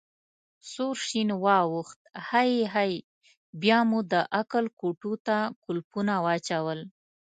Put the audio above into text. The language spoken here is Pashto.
سور شین واوښت: هی هی، بیا مو د عقل کوټو ته کولپونه واچول.